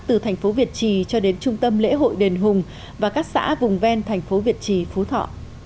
từ thành phố việt trì cho đến trung tâm lễ hội đền hùng và các xã vùng ven thành phố việt trì phú thọ